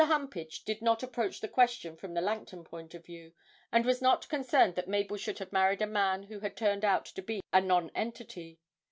Humpage did not approach the question from the Langton point of view, and was not concerned that Mabel should have married a man who had turned out to be a nonentity.